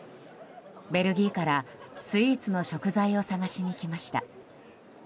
ベルギーからスイーツの食材を探しに来ました。